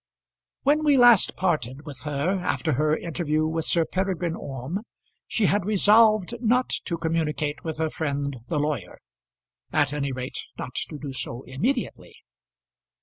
When we last parted with her after her interview with Sir Peregrine Orme, she had resolved not to communicate with her friend the lawyer, at any rate not to do so immediately.